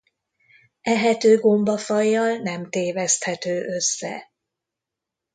Ehető gombafajjal nem téveszthető össze.